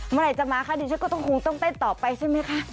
เมื่อไหร่จะมาคะดิฉันก็ต้องคงต้องเต้นต่อไปใช่ไหมคะ